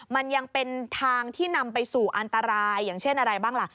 มันยังเป็นทางที่นำไปสู่อันตรายอย่างเช่นอะไรบ้างล่ะ